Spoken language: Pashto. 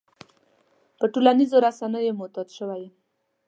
په ټولنيزو رسنيو معتاد شوی يم.